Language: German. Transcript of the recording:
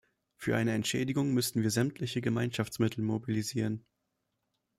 Für eine Entschädigung müssten wir sämtliche Gemeinschaftsmittel mobilisieren.